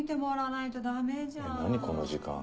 この時間。